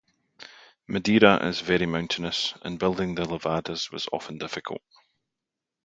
Madeira is very mountainous, and building the levadas was often difficult.